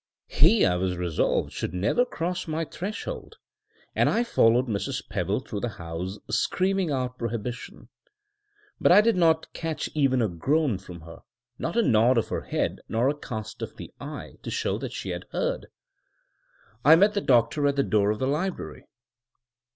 He, I was resolved, should never cross my threshold, and I followed Mrs. Pebble through the house, screaming out prohibition. But I did not catch even a groan from her, not a nod of the head, nor a cast of the eye, to show that she had heard. I met the doctor at the door of the library.